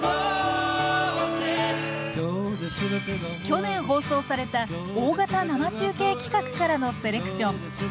去年放送された大型生中継企画からのセレクション